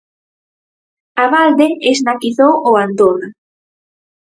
Abalde esnaquizou o Andorra.